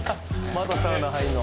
またサウナ入んの？